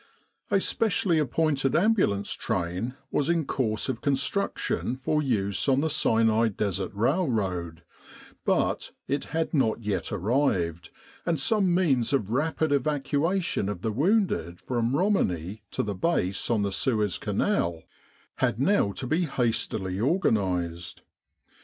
A specially appointed ambulance train was in course of construction for use on the Sinai Desert railroad ; but it had not yet arrived, and some means of rapid evacuation of the wounded from Romani to the Base on the Suez Canal had now to be hastily organised.